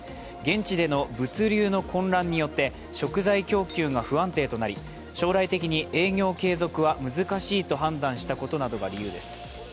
現地での物流の混乱によって食材供給が不安定となり将来的に営業継続は難しいと判断したことなどが理由です。